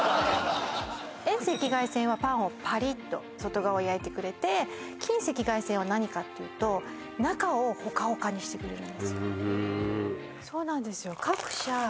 遠赤外線はパンをパリッと外側を焼いてくれて近赤外線っていうのは何かっていうと中をホカホカにしてくれるんですよ。